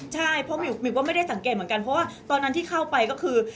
ใช่เพราะมิวก็ไม่ได้สังเกตเหมือนกันเพราะว่าตอนนั้นที่เข้าไปก็คือ